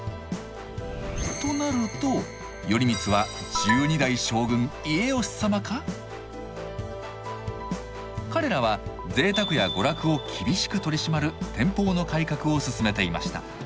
となると頼光は１２代将軍・家慶様か⁉彼らは贅沢や娯楽を厳しく取り締まる天保の改革を進めていました。